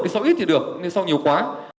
sau ít thì được sau nhiều quá